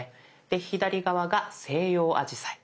で左側が西洋アジサイ。